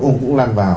ông cũng lan vào